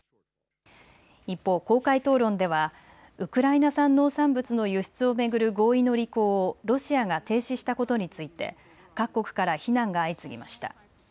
一方、公開討論ではウクライナ産農産物の輸出を巡る合意の履行をロシアが停止したことについて各国から非難が相次ぎました。